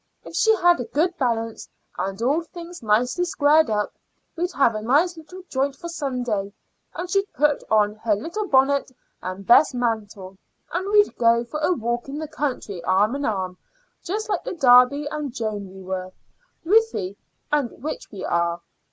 If she had a good balance and all things nicely squared up, we'd have a nice little joint for Sunday; and she'd put on her little bonnet and best mantle, and we'd go for a walk in the country arm in arm, just like the Darby and Joan we were, Ruthie, and which we are.